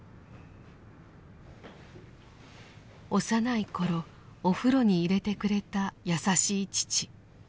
幼い頃お風呂に入れてくれた優しい父。